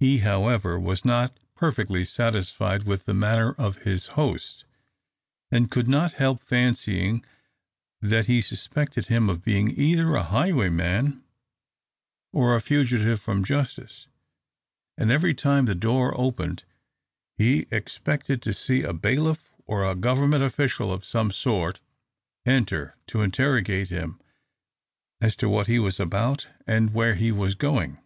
He, however, was not perfectly satisfied with the manner of his host, and could not help fancying that he suspected him of being either a highwayman or a fugitive from justice; and every time the door opened, he expected to see a bailiff or a Government official of some sort enter, to interrogate him as to what he was about and where he was going.